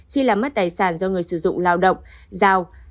khi làm mất tài sản do người sử dụng lao động giao